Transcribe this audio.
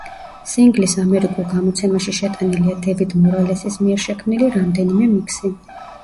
სინგლის ამერიკულ გამოცემაში შეტანილია დევიდ მორალესის მიერ შექმნილი რამდენიმე მიქსი.